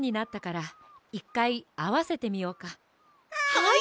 はい！